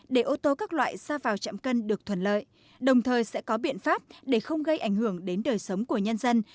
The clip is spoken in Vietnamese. để ô tô các loại ra vào trạm cân được thuận lợi đồng thời sẽ có biện pháp để không gây ảnh hưởng đến đời sống của nhân dân